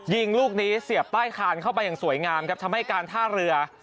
ยิงลูกนี้เสียบป้ายคานเข้าไปอย่างสวยงามครับทำให้การท่าเรือ